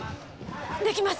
できます！